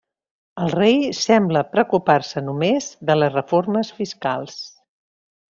El rei sembla preocupar-se només de les reformes fiscals.